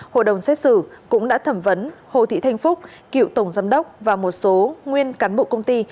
hội đồng xét xử cũng đã thẩm vấn hồ thị thanh phúc cựu tổng giám đốc và một số nguyên cán bộ công ty